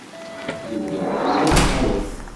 Yuba yeḥbes imeṭṭawen.